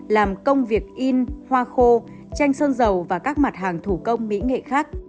làm công việc in hoa khô chanh sơn dầu và các mặt hàng thủ công mỹ nghệ khác